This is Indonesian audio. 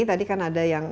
tadi kan ada yang